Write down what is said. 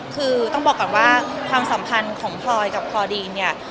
คือต้องบอกก่อนว่าความสัมพันธ์ของพลอยกับคอดีนเนี่ย